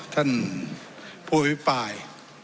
ท่านผู้อภิปราย